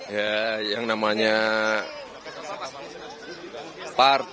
ya yang namanya partai di dalam koalisi